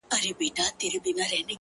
o دغه زرين مخ؛